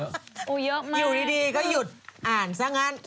อยู่ดีก็หยุดอ่านซะงั้น